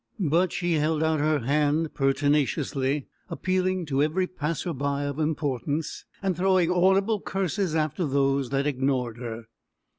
] But she held out her hand pertinaciously, appealing to every passer by of importance, and throwing audible curses after those that ignored her.